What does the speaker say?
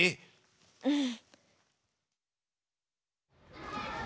うん。